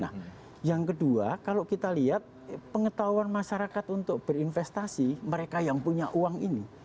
nah yang kedua kalau kita lihat pengetahuan masyarakat untuk berinvestasi mereka yang punya uang ini